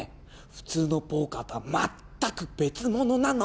普通のポーカーとはまったく別物なの。